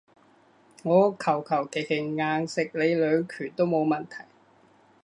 我求求其其硬食你兩拳都冇問題